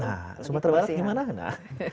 nah sumatera barat gimana